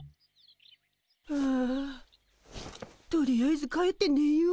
あとりあえず帰ってねよう。